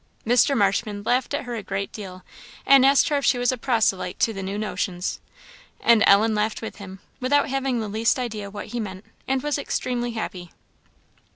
Mr. Marshman laughed at her a great deal, and asked her if she was "a proselyte to the new notions;" and Ellen laughed with him, without having the least idea what he meant, and was extremely happy.